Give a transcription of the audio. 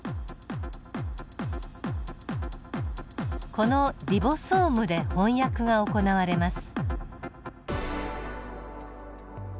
このリボソームで翻訳が行われます。